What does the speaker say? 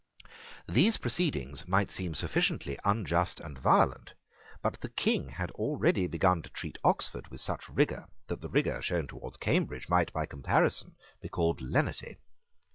'" These proceedings might seem sufficiently unjust and violent. But the King had already begun to treat Oxford with such rigour that the rigour shown towards Cambridge might, by comparison, be called lenity.